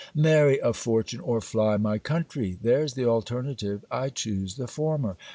Marry a fortune or fly my country: there's the alternative. I choose the former.